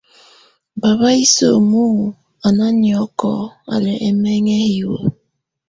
Bab isǝ́mu á ná nyɔ́kɔ, á lɛ́ ɛmɛŋɛ hiwǝ́.